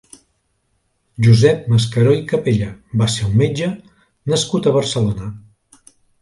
Josep Mascaró i Capella va ser un metge nascut a Barcelona.